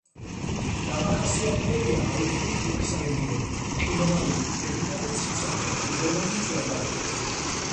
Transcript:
დამახასიათებელია ალპური ტიპის რელიეფი, მყინვარული მთებითა და ციცაბო კლდოვანი მწვერვალებით.